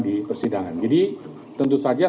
di persidangan jadi tentu saja